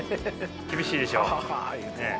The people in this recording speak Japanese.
厳しいでしょねえ。